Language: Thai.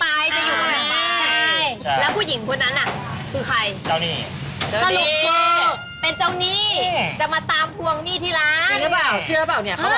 ว่าเจ้านี่เชื่อบ์เหมือนไง